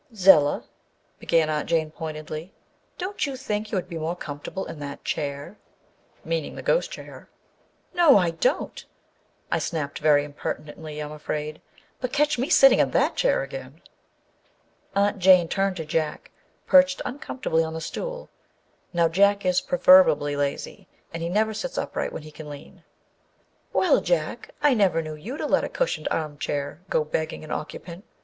" Zella," began Aunt Jane pointedly, " don't you think you would be more comfortable in that chair?" (meaning the ghost chair.) "No, I don't!" I snapped, very impertinently, I'm afraid â but catch me sitting in that chair again! Aunt Jane turned to Jack, perched uncomfortably on the stool. (Now Jack is proverbially lazy: he never sits upright when he can lean.) "Well, Jack! I never knew you to let a cushioned armchair go begging an occupant.